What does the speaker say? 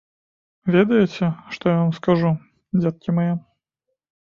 Ведаеце, што я вам скажу, дзеткі мае?